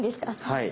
はい。